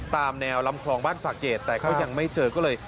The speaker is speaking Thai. ตามแนวลำคลองบ้านสะเกดแต่ก็ยังไม่เจอก็เลย